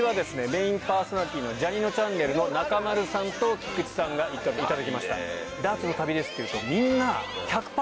メインパーソナリティーの「ジャにのちゃんねる」の中丸さんと菊池さんに行っていただきました。